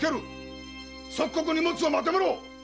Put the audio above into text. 即刻荷物をまとめろ！